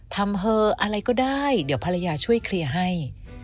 เธออะไรก็ได้เดี๋ยวภรรยาช่วยเคลียร์ให้